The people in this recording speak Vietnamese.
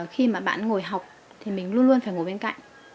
khi mà bạn ngồi học thì mình luôn luôn phải ngồi bên cạnh